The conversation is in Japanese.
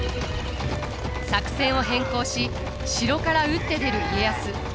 作戦を変更し城から打って出る家康。